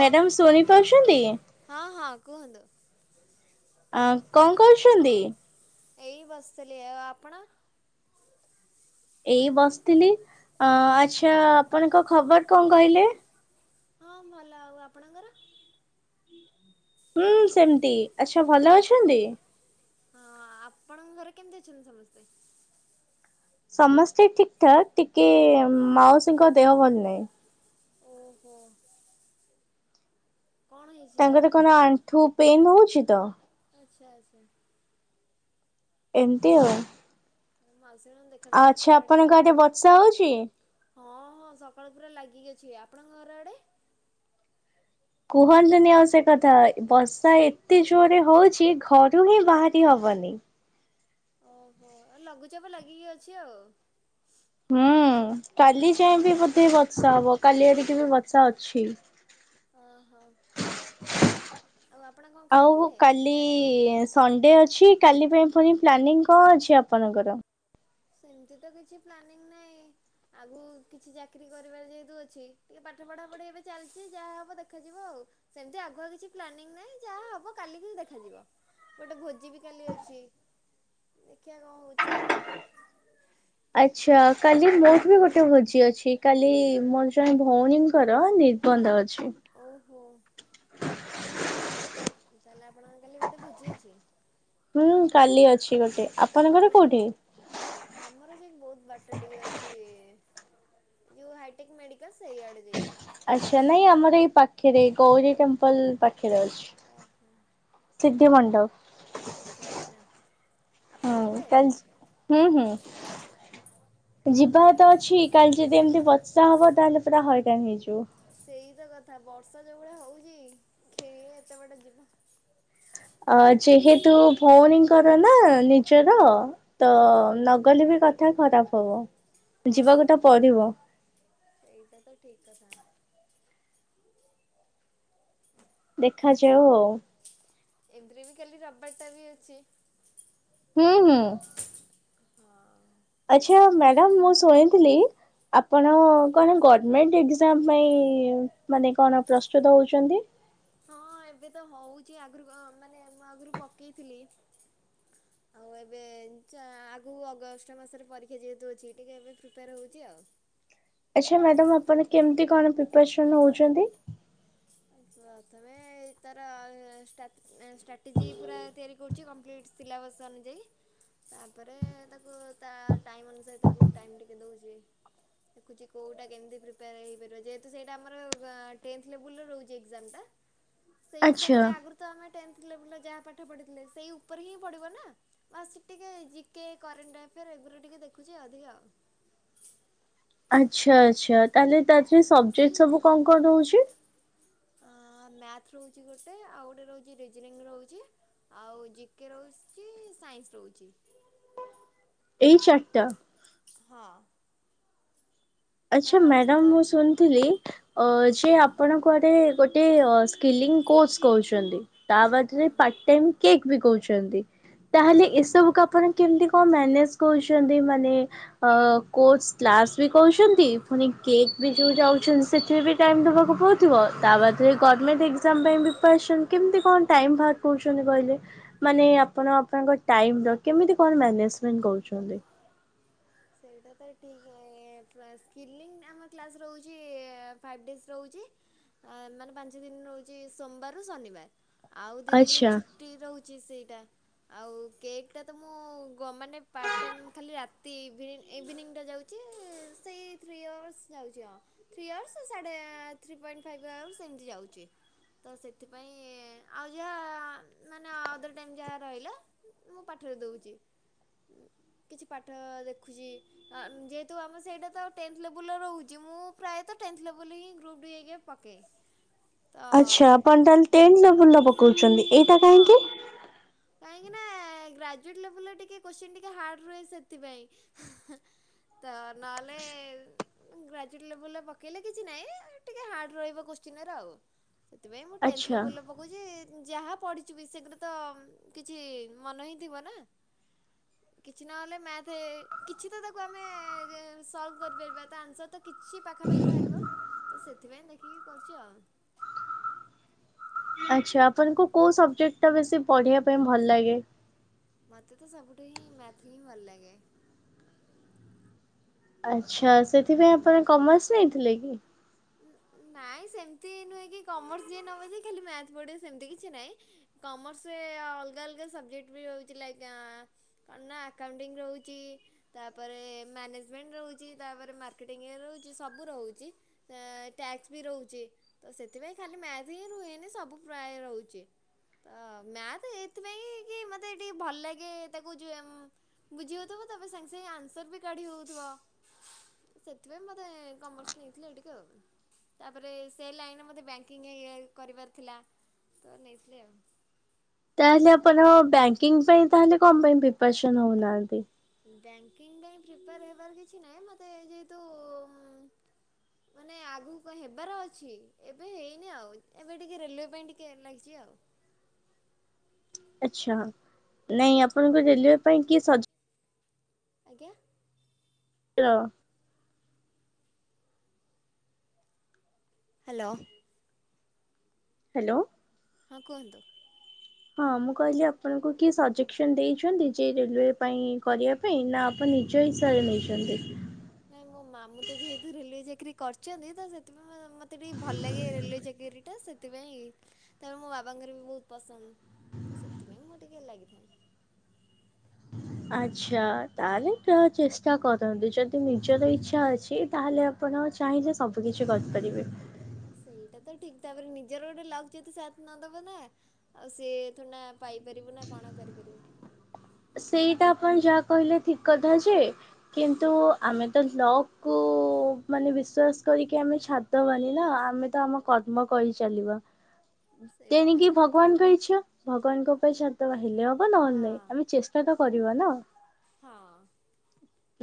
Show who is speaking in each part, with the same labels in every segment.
Speaker 1: Madam ସୁଣି ପାରୁଛନ୍ତି?
Speaker 2: କୁହନ୍ତୁ।
Speaker 1: ଆ କଣ କରୁଛନ୍ତି?
Speaker 2: ଏଇ ବସିଥିଲି ଆଉ ଆପଣ?
Speaker 1: ଏଇ ବସିଥିଲି ଆ ଆଚ୍ଛା ଆପଣଙ୍କ ଖବର କଣ କହିଲେ?
Speaker 2: ହଁ ଭଲ ଆଉ ଆପଣଙ୍କର?
Speaker 1: ହୁଁ ସେମତି ଆଚ୍ଛା ଭଲ ଅଛନ୍ତି।
Speaker 2: ହଁ ଆପଣଙ୍କ ଘରେ କେମତି ଅଛନ୍ତି ସମସ୍ତେ?
Speaker 1: ସମସ୍ତେ ଠିକ ଠାକ୍ ଟିକେ ମାଉସୀଙ୍କ ଦେହ ଭଲ ନାହିଁ।
Speaker 2: ଓହୋ।
Speaker 1: ତାଙ୍କର କଣ ଆଣ୍ଠୁ ପେନ ହଉଛି ତ।
Speaker 2: ଆଚ୍ଛା ଆଚ୍ଛା।
Speaker 1: ଏମତି ଆଉ। ଆଚ୍ଛା ଆପଣଙ୍କ ଆଡ଼େ ବର୍ଷା ହଉଛି।
Speaker 2: ହଁ ହଁ ସକାଳୁ ପୁରା ଲାଗିକି ଅଛି ଆପଣଙ୍କ ଘର ଆଡ଼େ?
Speaker 1: କୁହନ୍ତୁନି ଆଉ ସେ କଥା ବର୍ଷା ଏତେ ଜୋରେ ହଉଛି ଘରୁ ହିଁ ବାହାରି ହବ ଵନି।
Speaker 2: ଓହୋ ଲଘୁଚାପ ଲାଗିକି ଅଛି ଆଉ।
Speaker 1: ହୁଁ କାଲି ଯାଏଁ ବିି ବୋଧେ ବର୍ଷା ହବ କାଲି ଆଡିକି ବି ବର୍ଷା ଅଛି।
Speaker 2: ଅ ହ।
Speaker 1: ଆଉ କାଲି ସନ୍ ଡେ ଅଛି କାଲି ପାଇଁ ପୁଣି ପ୍ଲାନିଂ କଣ ଅଛି ଆପଣଙ୍କର?
Speaker 2: ସେମତି ତ କିଛି ପ୍ଲାନିଂ ନାଇଁ ଆଗକୁ କିଛି ଚାକିରି କରିବାର ଯେହେତୁ ଅଛି ଟିକେ ପା ପାଠ ପଢା ପଢି ଏବେ ଚାଲିଛି ଯାହା ହବ ଦେଖାଯିବ ଆଉ ସେମିତି ଆଗୁଆ କିଛି ପ୍ଲାନିଂ ନାହିଁ ଯାହା ହବ କାଲିକି ଦେଖାଯିବ ଗୋଟେ ଭୋଜି ବି କାଲି ଅଛି ଦେଖିଆ କଣ ହଉଛି ଆଉ?
Speaker 1: ଆଚ୍ଛା କାଲି ମୋର ବି ଗୋଟେ ଭୋଜି ଅଛି କାଲି ମୋର ଜଣେ ଭଉଣୀଙ୍କର ନିର୍ ନିର୍ବନ୍ଧ ଅଛି।
Speaker 2: ତାହେଲେ ଆପଣଙ୍କ କାଲି ଗୋଟେ ଭୋଜି ଅଛି।
Speaker 1: କାଲି ଅଛି ଗୋଟେ।
Speaker 2: ଆପଣେ ଆମର ଯେ ବହୁତ ବାଟ। ଯୋଉ ହାଇଟେକ୍ ମେଡିକାଲ ସେଇ ଆଡ଼େ ଯାଇକି।
Speaker 1: ଆଚ୍ଛା ନାଇଁ ଆମର ଏଇ ପାଖରେ ଗୌରୀ ଟେମ୍ପଲ ପାଖରେ ଅଛି। ସିଦ୍ଧିମଣ୍ଡପ।
Speaker 2: ଆଚ୍ଛା ଆଚ୍ଛା।
Speaker 1: ଆଉ କାଲିସି ହୁଁ ହୁଁ। ଯିବା ତ ଅଛି କାଲି ଯଦି ଏମିତି ବର୍ଷା ହବ ତାହେଲେ ପୁରା ହଇରାଣ ହେଇଯିବୁ।
Speaker 2: ସେଇତ କଥା ବର୍ଷା ଯୋଉ ଭଳିଆ ହଉଛି କିଏ ଏତେ ବାଟ ଯିବ।
Speaker 1: ଅ ଯେହେତୁ ଭଉଣୀଙ୍କର ନା ନିଜର ତ ନଗଲେ ବି କଥା ଖରାପ ହବ ଯିବାକୁ ତ ପରିବ। ଦେଖାଯାଉ ଆଉ।
Speaker 2: ଏମିତିରେ ବି କାଲି ରବିବାର ଟା ବି ଅଛି।
Speaker 1: ହୁଁ ହୁଁ। ଆଛା ମ୍ୟାଡାମ ମୁଁ ଶୁଣିଥିଲି ଆପଣ କଣ ଗର୍ମେଣ୍ଟ ଏକ୍ସାମ୍ ପାଇଁ ମାନେ କଣ ପ୍ରସ୍ତୁତ ହଉଛନ୍ତି।
Speaker 2: ହଁ ଏବେ ତ ହଉଛି ଆଗରୁ ମାନେ ମୁଁ ଆଗରୁ ପକେଇଥିଲି। ଆଉ ଏବେ ଆଗକୁ ଅଗଷ୍ଟ ମାସରେ ପରୀକ୍ଷା ଯେହେତୁ ଅଛି ଟିକେ ଏବେ ପ୍ରିପେୟାର ହଉଛି ଆଉ।
Speaker 1: ଆଛା ମ୍ୟାଡାମ ଆପଣ କେମିତି କଣ ପ୍ରିପେୟାରେସନ ହଉଛନ୍ତି?
Speaker 2: ପ୍ରଥମେ ତାର ଷ୍ଟଟ ଷ୍ଟ୍ରାଟେଜି ପୁରା ତିଆରି କରୁଛି କମ୍ପ୍ଲିଟି ସିଲା ସିଲାବସ ଅନୁଯାୟୀ। ତାପରେ ତାକୁ ତା ଟାଇମ ଅନୁସାରେ ତାକୁ ଟାଇମ ଟିକେ ଦଉଛି। ଦେଖୁଛି କୋଉଟା କେମତି ପ୍ରିପେୟାର ହେଇପାରିବ ଯେହେତୁ ସେଇଟା ଆମର ଟେନ୍ଥ ଲେବୁଲୁ ର ରହୁଛି। ଏକ୍ସାମ ଟା ସେଇ ହିସାବରେ ଆଗରୁ ତ ଆମେ ଟେନ୍ଥ ଲେବୁଲୁ ର ଯାହା ପାଠ ପଢିଥିଲେ ସେଇ ଉପରେ ହିଁ ପଢିବ ନା ବାସ୍ ଟିକେ ଯିକେ କରେଣ୍ଟ ଏଫଆର ସେଗୁରା ରେ ଟିକେ ଦେଖୁଛି ଅଧିକା ଆଉ।
Speaker 1: ଆଛା ଆଛା ତାହଲେ ତାଥିରେ ସବ୍ଜେକ୍ଟ ସବୁ କଣ କଣ ରହୁଛି।
Speaker 2: ମ୍ୟାଥ ରହୁଛି ଗୋଟେ ଆଉ ଗୋଟେ ରହୁଛି ରିଜନିଂ ରହୁଛି ଆଉ ଜିକେ ରହୁଛି। ସାଇନ୍ସି ରହୁଛି।
Speaker 1: ଏଇ ଚାରଟା?
Speaker 2: ହଁ।
Speaker 1: ଆଚ୍ଛା ମ୍ୟାଡାମ ମୁଁ ଶୁଣିଥିଲି ଯେ ଆପ ଆପଣ କୁଆଡେ ଗୋଟେ ସ୍କିଲିଂ କୋସ କରୁଛନ୍ତି ତା ବାଦେ ରେ ପାର୍ଟ ଟାଇମ୍ କେକ୍ ବି କହୁଛନ୍ତି ତାହେଲେ ଏସବୁକୁ ଆପଣ କେମିତି? କଣ ମାନେଜ କରୁଛନ୍ତି ମାନେ କୋଚ କ୍ଲାସ ବି କରୁଛନ୍ତି। ପୁଣି କେକ୍ ବି ଯୋଉ ଯାଉଛନ୍ତି ସେଥିରେ ବି ଟାଇମ ଦେବାକୁ ପଡୁଥିବ ତା ବାଦରେ ଗମେଣ୍ଟ ଏକ୍ସାମ୍ ବି ପାଇଁ ପ୍ରିପେରେଶନ କେମିତି କଣ ଟାଇମ ବାହାର କରୁଛନ୍ତି କହିଲେ? ମାନେ ଆପଣ ଆପଣଙ୍କ ଟାଇମ କେମିତି କଣ ମ୍ୟାନେଜମେଣ୍ଟ କରୁଛନ୍ତି?
Speaker 2: ସେଇଟା ତ ଟିକେ ସ୍କିଲିଂ ଆମ କ୍ଲାସରେ ରହୁଛି ଫାଇପି ଡେଜ ରହୁଛି। ମାନେ ପାଞ୍ଚ ଦିନ ରହୁଛି ସୋମବାରରୁ ଶନିବାର ଆଉ ଦି ଦିନ ଛୁଟି ରହୁ ଯି ସେଇଟା ଆଉ କେକ୍ ଟା ତ ମୁଁ ଗ ମାନେ ପାର୍ଟ ଟାଇମ୍ ଖାଲି ରାତି ଇଭି ଇଭିନିଂଟା ଯାଉଛି ସେଇ ଥ୍ରୀ ଆୱର୍ସ ଯାଉଛି ଆଉ ଥ୍ରୀ ଆୱର୍ସ ସାଢ଼େ ଥ୍ରି ପଏଣ୍ଟ ଫାଇପି ଆୱର୍ସ ଏମିତି ଯାଉଛି। ତ ସେଥିପାଇଁ ଆଉ ଯାହା ମାନେ ଅଦର ଟାଇମ୍ ଯାହା ରହିଲା ମୁଁ ପାଠ ଦଉଚି କିଛି ପାଠ ଦେଖୁ ଖୁଚି ଯେହେତୁ ଆମ ସେଇଟା ତ ଟେନ୍ଥ ଲେବୁଲୁର ରହୁଛି ମୁଁ ପ୍ରାୟତଃ ଟେନ୍ଥ ଲେବୁଲର ଗ୍ରୁପ୍ ଡୁଇ ହେଇକା ପକେ
Speaker 1: ଆଚ୍ଛା ଆପଣ ତାହେଲେ ଟେନ୍ଥ ଲେବୁଲର ପକୋଉଛନ୍ତି ଏଇଟା କାହିଁକି? ହୁଁ
Speaker 2: ଗ୍ରାଜୁଟ ଲେବୁଲର ଟିକେ କ୍ୱେଶ୍ଚିନ ଟିକେ ହାର୍ଡ ରୁହେ ସେଥିପାଇଁ। ତ ନହେଲେ ଗ୍ରାଜୁଏଟ ଲେବୁଲର ପକେଇଲେ କିଛି ନାଇଁ ଟିକେ ହାର୍ଡ ରହିବ କୋଶ୍ଚି ଚୀନର ଆଉ ସେଥିପାଇଁ ମୁଁ ଟେନ୍ଥ ଲେବୁଲର ପକଉଛି। ଯାହା ପଢିଚି ବି ସେଗୁରା ତ କିଛି ମନ ହିଁ ଥିବ ନା?
Speaker 1: ହ
Speaker 2: କିଛି ନହଲେ ମାଥେ କିଛି ତ ତାକୁ ଆମେ ସଲ୍ଫ କରିପାରିବା ତା ଆନ୍ସର କିଛି ପାଖ ପାଖି ବାହାରିବ ତ ସେଥିପାଇଁ ଦେଖିକି କରୁଛି ଆଉ।
Speaker 1: [inaudible] ଆଛା ଆପଣଙ୍କୁ କୋଉ ସବଜେକ୍ଟ ଟା ବେଶୀ ପଢିବା ପାଇଁ ଭଲ ଲାଗେ?
Speaker 2: ମତେ ତ ସବୁଠୁ ହିଁ ମାଥେ ହିଁ ଭଲ ଲାଗେ।
Speaker 1: ଆଚ୍ଛା ସେଥିପାଇଁ ଆପଣ କମର୍ସ ନେଇଥିଲେ କି?
Speaker 2: ନାଇଁ ସେମତି ନୁହେଁ କି କମର୍ସ ଯିଏ ନବ ଖାଲି ମାଥେ ପଢ଼ିବ ସେମତି କିଛି ନାଇଁ କମର୍ସରେ ଅଲଗା ଅଲଗା ସବଜେକ୍ଟ ବି ରହୁଛି ଲାଇକ ନା ଆକାଉଣ୍ଟିଙ୍ଗ ରହୁଛି ତାପ ତାପରେ ମ୍ୟାନେଜମେଣ୍ଟ ରହୁଛି ତାପରେ ମାର୍କେଟିଂ ରହୁଛି ସବୁ ରହୁଛି।
Speaker 1: [inaudible]
Speaker 2: ଟାସ୍କ ବି ରହୁଛି ତ ସେଥିପାଇଁ ଖାଲି ମାଥ ହିଁ ରୁହେନି ସବୁ ପ୍ରାୟ ରହୁଛି। ତ ମ୍ୟାଥ ଏଥିପାଇଁ କି ମତେ ଟିକେ ଭଲ ଲାଗେ ତାକୁ ଯୋଉ ବୁଝି ହଉଥିବ ତାପରେ ସାଙ୍ଗେ ସାଙ୍ଗେ ଆନ୍ସର ବି କାଢି ହଉଥିବ। ସେଥିପାଇଁ ମତେ କମର୍ସ ନେଇଥିଲେ। ତାପରେ ସେ ଲାଇନ ରେ ମୋତେ ବ୍ୟାଙ୍କିଙ୍ଗ କରିବାର ଥିଲା। ତ ନେଇ ଥିଲି ଆଉ।
Speaker 1: ତାହେଲେ ଆପଣ ବ୍ୟାଙ୍କିଙ୍ଗ ପାଇଁ ତାହେଲେ କଣ ପାଇଁ ପ୍ରିପ୍ୟାରେଶନ ହଉନାହାନ୍ତି?
Speaker 2: ବ୍ୟାଙ୍କିଙ୍ଗ ପାଇଁ ପ୍ରିପାର ହେବାର କିଛି ନାହିଁ ମତେ ଯେହେତୁ ମାନେ ଆଗକୁ କଣ ହେବାର ଅଛି ଏବେ ହେଇନି ଆଉ ଏବେ ଟିକେ ରେଲୱେ ପାଇଁ ଟିକେ ଲାଗିଛି ଆଉ।
Speaker 1: [inaudible] ଆଛା ନାଇଁ ଆପଣଙ୍କ ରେଲୱେ ପାଇଁ କିଏ ସଜ
Speaker 2: ଆଜ୍ଞା?
Speaker 1: ର
Speaker 2: ହ୍ୟାଲୋ।
Speaker 1: ହ୍ୟାଲୋ।
Speaker 2: ହଁ କୁହନ୍ତୁ।
Speaker 1: ହଁ ମୁଁ କହିଲି ଆପଣଙ୍କୁ କିଏ ସଜେସନ ଦେଇଛନ୍ତି ଯେ ରେଲୱେ ପାଇଁ କରିବା ପାଇଁ ନା ଆପଣ ନିଜ ଇଚ୍ଛାରେ ନେଇଛନ୍ତି?
Speaker 2: ନାଇଁ ମୋ ମାମୁ ତ ଯେହେତୁ ରେଲୱେ ଚାକିରି କରିଛନ୍ତି ତ ସେଥିପାଇଁ ମତେ ଟିକେ ଭଲ ଲାଗେ ରେଲୱେ ଚାକିରି ଚାକିରିଟା ସେଥିପାଇଁ ତାପରେ ମୋ ବାବାଙ୍କର ବି ବହୁତ ପସନ୍ଦ। ତ ସେଥିପାଇଁ ମୁଁ ଟିକେ ଲାଗିଥାଏ।
Speaker 1: [inaudible] ଆଚ୍ଛା ତାହେଲେ ତ ଚେଷ୍ଟା କରନ୍ତୁ ଯଦି ନିଜର ଇଛା ଅଛି ତାହେଲେ ଆପଣ ମୁଁ ଚାହିଁଲେ ସବୁ କିିଛି କରିପାରିବି।
Speaker 2: ସେଇଟା ତ ଠିକ ତାପରେ ନିଜର ଗୋଟେ ଲାଗୁଚ ସାଥ ନଦବ ନା ଆଉ ସିଏ ଥୋଡି ନା ପାଇପାରିବୁ ନା କଣ କରିପାରିବୁ।
Speaker 1: ସେଇଟା ଆପଣ ଯାହା କହିଲେ ଠିକ କଥା ଯେ କିନ୍ତୁ ଆମେ ତ ଲକ୍ କୁ ମାନେ ବିଶ୍ଵାସ କରିକି ଆମେ ଛାଡିଦବାନି ନା ଆମେ ତ ଆମ କର୍ମ କରିଚଲିବା। ଏଣିକି ଭଗବାନ କହିଛ ଭଗବାନଙ୍କ ପାଇଁ ଛାତ୍ରଛାତ୍ରୀମାନେ ହେଲେ ହବ ନହେଲେ ନାଇଁ ଆମେ ଚେଷ୍ଟା କରିବ ନା।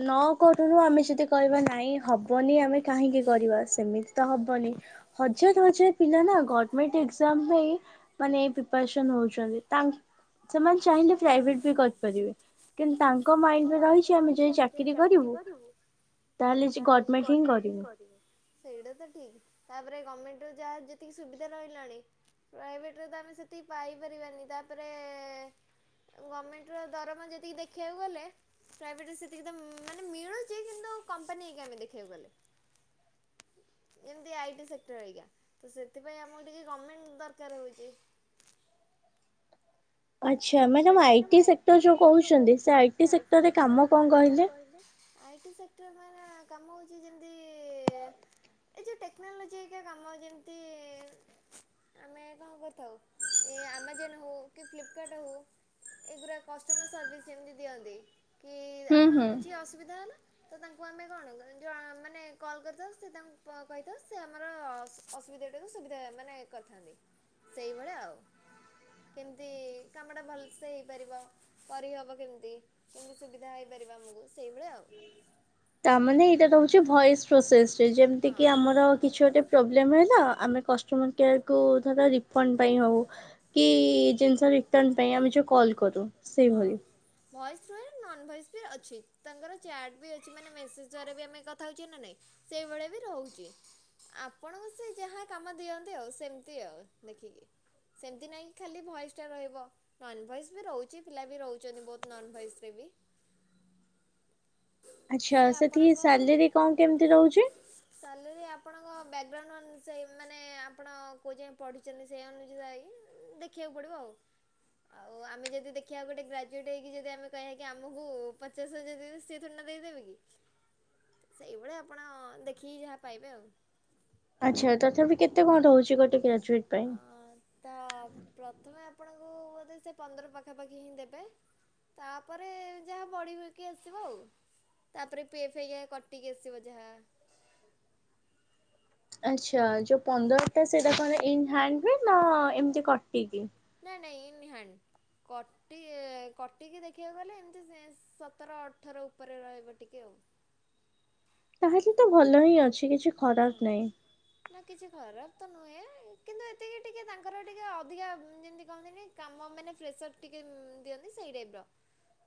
Speaker 1: ନ କରୁନୁ ଆମେ ଯଦି କହିବା ନାଇଁ ହବନି ଆମେ କାହିଁକି କରିବା ସେମିତି ତ ହେବନି ହଜାର ହଜାର ପିଲା ନା ଗଭର୍ଣମେଣ୍ଟ ଏକ୍ଜାମ ପାଇଁ ମାନେ ଏଇ ପ୍ରିପାରେସନ ହଉଛନ୍ତି ତାଙ୍କ ସେମାନେ ଚାହିଁଲେ ପ୍ରାଇଭେଟ ବି କରିପାରିବେ କିନ୍ତୁ ତାଙ୍କ ମାଇଣ୍ଡରେ ରହିଛି ଆମେ ଚାକିର କରିବୁ ତାହେଲେ ଗମେଣ୍ଟ ହି
Speaker 2: କରିବ ସେଇଟା ତ ଠିକ ତାପରେ ଗର୍ଣମେଣ୍ଟ ଯାହା ଯେତିକି ସୁବିଧା ରହିଲାଣି ପ୍ରାଇଭେଟରେ ତ ଆମେ ସେଠି ପାଇପାରିବାନି ଗଭର୍ଣ୍ଣମେଣ୍ଟ ର ଦରମା ଯେତିକି ଦେଖିବାକୁ ଗଲେ ପ୍ରାଇଭେଟରେ ସେତିକି ତ ମାନେ ମିଳୁଛି କିନ୍ତୁ କମ୍ପାନୀ ଆମେ ଦେଖେଇକୁ ଗଲେ
Speaker 1: [inaudible]
Speaker 2: ଏମତି ଆଇଟି ସେକ୍ଟର ଘରିକା ତ ସେଥିପାଇଁ ଆମକୁ ଟିକେ ଗମେଣ୍ଟ ଦରକାର ହଉଚି।
Speaker 1: [unintelligible]
Speaker 2: ଆଛା ମାଇଟି ସେକ୍ଟର ଯୋଉ କହୁଛନ୍ତି ସେଇ ସେଟରରେ କାମ କଣ କହିଲୁ? ଆଇ ଟି ସେକ୍ଟର ମାନ କାମ ହେଉଛି ଯେମିତି ଏ ଯୋଉ ଟେକ୍ନୋଲୋଜି କାମ ଯେମିତି? ଆମେ କଣ କରିଥାଉ ଏ ଆମାଜନ ହଉ କି ଫି କାର୍ଡ ହୋଉ ଏ ଗୁରା କଷ୍ଟମର ସରଭିସି ଦିଅ ଦିଅନ୍ତି। କି ଆପଣଙ୍କ କିଛି ଅସୁବିଧା ହେଲା ତ ତାଙ୍କୁ ଆମେ କଣ ଜ ମାନେ କଲ କରିଥାଉ ସେ ତାଙ୍କୁ କହିଥାଉ ସେ ଆମର ଅସୁବିଧାଟାକୁ ସୁବିଧା ମାନେ କରିଥାନ୍ତି! ସେଇଭଳିଆ ଆଉ କେମିତି। କାମ ଟା ଭଲସେ ହେଇପାରିବ କରିହବ କେମିତି କେମିତି ସୁବିଧା ହେଇପାରିବ ଆମକୁ ସେଭଳିଆ
Speaker 1: [inaudible] ତା ମାନେ ଏଇଟା ହଉଛି ଭଏସ ପ୍ରୋସେସ ଯେମିତି କି ଆମର କିଛି ଗୋଟେ ପ୍ରୋବ୍ଲେମ ହେଲା ଆମେ କ କଷ୍ଟମର କେୟାର କୁ ଧର ରିପନ ଟାଇମ ହଉ କି ଯୋଉ ହିସାବରେ ରିପ ପାଇଁ ଆମେ ଯୋଉ କଲ୍ କରୁ ସେଇଭଳି!
Speaker 2: ଭଏସରେ! ନନ୍ ଭେଜେ ବି ଅଛି ତାଙ୍କର ଚାଟ୍ ବି ଅଛି ମାନେ ମେସେଜ ଦ୍ଵାର ବି ଆମେ କଥା ହଉଛ ନା ନାଇଁ ସେଇଭଳି ରହୁଛି ଆପଣଙ୍କୁ ସେ ଯାହା କାମ ଦିଅନ୍ତି ଆଉ ସେମିତି ଆଉ ଦେଖିକି! ସେମୀତି ନାଇଁକି କୀ ଖାଲି ଭୟସ ଟା ରହିବ! ନନ ଭଏସ ବି ରହୁଛି ପିଲା ବି ରହୁଛନ୍ତି ବହୁତ ନନ ଭଏସରେ ବି!
Speaker 1: ଆଚ୍ଛା ସେଠି ସାଲେରୀ କଣ କେମିତି ରହୁଛି?
Speaker 2: ସାଲେରୀ ଆପଣଙ୍କ ବ୍ୟାକଗ୍ରାଉଣ୍ଡ ଅନୁସାୟ ମାନେ ଆପଣ କେଉଁ ଯାଏ ପଢ଼ିଛନ୍ତି ସେହି ଅନୁଯାୟୀ ଦେଖିବାକୁ ପଡିବ ଆଉ ଆଉ ଆମେ ଯଦି ଦେଖିବା ଗୋଟେ ଗ୍ରାଜୁଏଟ ହେଇକି ଯଦି ଆମେ କହିବା କି ଆମକୁ ପଚାଶ ହଜାର ଦେଇ ଥିନେ ଦେଇଦେବ କି ସେଇଭଳିଆ ଆପଣ ଦେଖିକି ଯାହା ପାଇବେ ଆଉ
Speaker 1: ଆଚ୍ଛା ତଥାପି କେତେ କଣ ରହୁଛି ଗୋଟେ ଗ୍ରାଜୁଏଟ ପାଇଁ?
Speaker 2: ତ ପ୍ରଥମେ ଆପଣଙ୍କୁ ବୋଧେ ସେ ପନ୍ଦର ପାଖାପାଖି ହିଁ ଦେବେ! ତାପରେ ଯାହା ବଢିବକି ଆସିବ ଆଉ! ତାପରେ ପି ଫେ ୟା କଟିକି ଆସିବ ଯାହା
Speaker 1: [inaudible] ଆ୍ଛା ଯୋଉ ପନ୍ଦରଟା ସେଇଟା କଣଇ ହ ହୁ ନା ଏମତି କଟିକି
Speaker 2: ନାହିଁ ଇନହାଣ୍ଡ! କଟି କଟିକି ଦେଖିବାକୁ ଗଲେ ଏମିତି ସେ ସତର, ଅଠର ଉପରେ ରହିବ ଟିକେ ଆଉ
Speaker 1: ତାହାଲେ ତ ଭଲ ହିଁ ଅଛି। କିଛି ଖରାପ ନାହିଁ
Speaker 2: ନା, କିଛି ଖରାପ ତ ନୁହେଁ କିନ୍ତୁ ଏତିକି ଟିକେ ତାଙ୍କର ଟିକେ ଅଧିକା ଯେମିତି କହନ୍ତିନି କାମ ମାନେ ପ୍ରେସର ଟିକେ ଦିଅନ୍ତି। ସେଇଟାଇପ୍ ର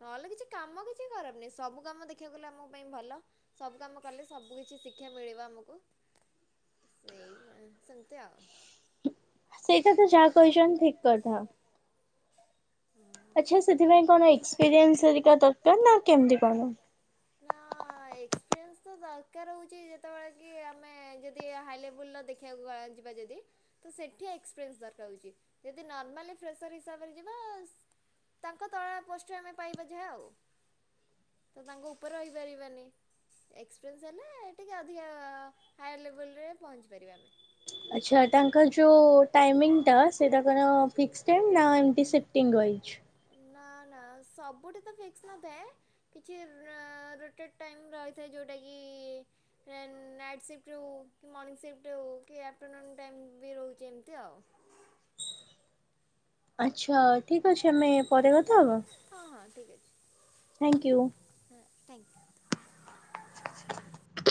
Speaker 2: ନହେଲେ କିଛି କାମ କିଛି ଖରାପ ନାହିଁ। ସବୁ କାମ ଦେଖିବାକୁ ଗଲେ ଆମ ପାଇଁ ଭଲ। ସବୁ କାମ କଲେ ସବୁ କିଛି ଶି ଶିକ୍ଷା ମିଳିବ ଆମକୁ। ସେଇ ସେମିତି ଆଉ
Speaker 1: ସେଇଟାତ, ଯାହା କହିଛନ୍ତି ଠିକ କଥା ଆଚ୍ଛା, ସେଥିପାଇଁ କଣ ହେଇଛି? ପିରିଏନ୍ସ ହରିକା ଦରକାର ନା କେମିତି କଣ?
Speaker 2: ତ ଦରକାର ହଉଛି ଯେତେବେଳେ କି ଆମେ ଯଦି ହାଇ ଲେବୁଲ ଦେଖିବାକୁ ଆ ଯିବା ଯଦି ତ ସେଠି ଏକ୍ସପିରିନ୍ସ ଦରକାର ହଉଛି। ଯଦି ନର୍ମାଲି ପ୍ରେସର ହିସବରେ ଯିବା ତାଙ୍କ ତଳା ପୋଷ୍ଟ ଆମେ ପାଇବା ଯାହା ଆଉ ତ ତାଙ୍କ ଉପରେ ରହିପାରିବାନି। ଏକ୍ସପିରିସ ହେଲେ ଟିକେ ଅଧିକା ହାୟାର ଲେବୁଲରେ ପହଞ୍ଚି ପାରିବା ଆମେ।
Speaker 1: ଆଚ୍ଛା, ତାଙ୍କର ଯୋଉ ଟାଇମିଂ ଟା ସେଟା କଣ ଫିକ୍ସ ଟାଇମ ନା ଏମିତି ଟିଙ୍ଗଇଛି। [inaudible]
Speaker 2: ସବୁଠେ ତ ଫିକ୍ସ ନଥାଏ କିଛି ରୋ ରୋଟେଡ଼ ଟାଇମ୍ ରହିଥାଏ ଯେଉଁଟାକି କି ନାଇ ନାଇଟ ସିପ୍ଟ ହଉ କି ମର୍ନିଙ୍ଗ ସିପ୍ଟ ହଉ କି ଆଫଟର ନୁନୁ ଟାଇ ବି ରହୁଛି ତଉ
Speaker 1: [unintelligible] ଆଚ୍ଛା, ଠିକ ଅଛି ଆମେ ପରେ କଥା ହବା। Thank you.
Speaker 2: [unintelligible]